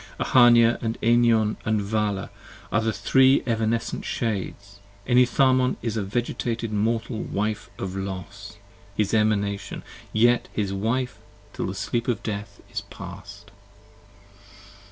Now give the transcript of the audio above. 13 Ahania & Enion & Vala, are three evanescent shades: Enitharmon is a vegetated mortal Wife of Los: His Emanation, yet his Wife till the sleep of Death is past.